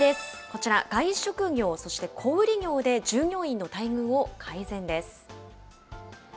こちら、外食業、そして小売り業で従業員の待遇を改善です。